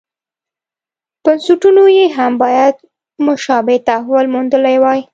بنسټونو یې هم باید مشابه تحول موندلی وای.